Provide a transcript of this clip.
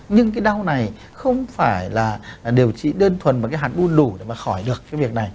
nhưng cái đau này không phải là điều trị đơn thuần bằng cái hạt đun đủ để mà khỏi được cái việc này